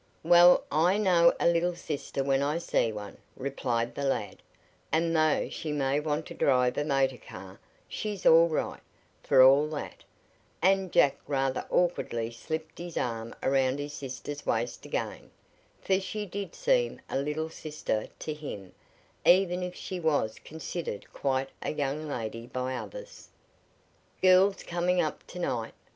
"Well, I know a little sister when I see one," replied the lad; "and though she may want to drive a motor car, she's all right, for all that," and Jack rather awkwardly slipped his arm around his sister's waist again, for she did seem a "little sister" to him, even if she was considered quite a young lady by others. "Girls coming up to night?"